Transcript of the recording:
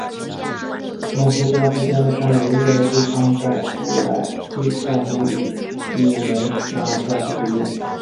结合家族间的善与恶的对抗在布莱帝家族与帝梅拉家族之间。